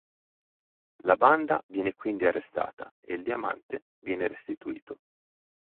La banda viene quindi arrestata e il diamante viene restituito.